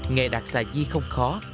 nghề đặt xà chi không khó